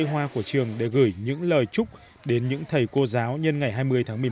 hoa của trường để gửi những lời chúc đến những thầy cô giáo nhân ngày hai mươi tháng một mươi một